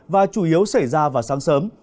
và chủ yếu xảy ra vào sáng sớm